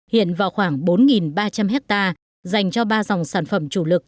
hiện vào khoảng bốn ba trăm linh hectare dành cho ba dòng sản phẩm chủ lực